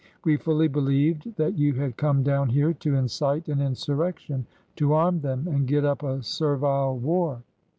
We fully believed that you had come down here to incite an insurrection, to arm them and get up a servile war.